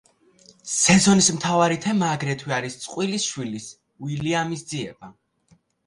სეზონის მთავარი თემა აგრეთვე არის წყვილის შვილის, უილიამის ძიება.